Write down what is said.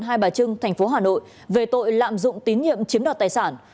hộ khẩu thường trung tp hà nội về tội lạm dụng tín nhiệm chiếm đoạt tài sản